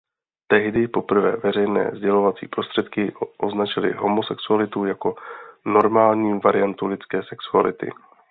Tehdy poprvé veřejné sdělovací prostředky označily homosexualitu jako normální variantu lidské sexuality.